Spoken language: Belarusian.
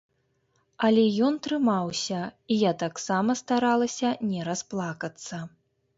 Але ён трымаўся, і я таксама старалася не расплакацца.